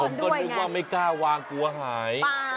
ผมก็นึกว่าไม่กล้าวางกลัวหาย